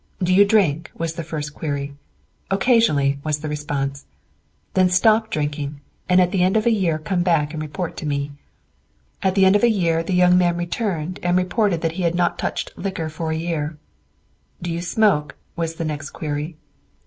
"Do you drink?" was the first query. "Occasionally," was the response. "Then stop drinking, and at the end of a year come back and report to me." At the end of a year the young man returned and reported that he had not touched liquor for the year. "Do you smoke?" was the next query.